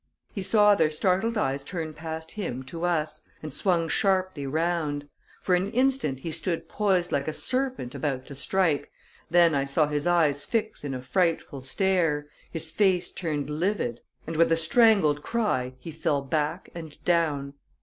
He saw their startled eyes turn past him to us, and swung sharply round. For an instant he stood poised like a serpent about to strike, then I saw his eyes fix in a frightful stare, his face turned livid, and with a strangled cry, he fell back and down.